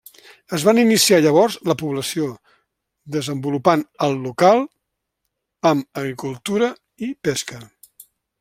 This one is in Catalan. Es van iniciar llavors la població, desenvolupant el local amb agricultura i pesca.